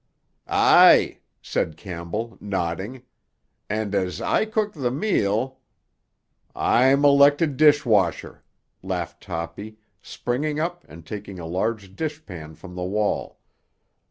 "Aye," said Campbell, nodding. "And as I cook the meal——" "I'm elected dish washer," laughed Toppy, springing up and taking a large dish pan from the wall.